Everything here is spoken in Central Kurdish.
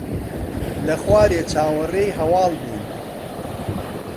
لە خوارێ چاوەڕێی هەواڵ بووین.